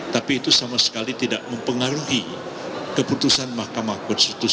tapi itu sama sekali tidak mempengaruhi keputusan mahkamah konstitusi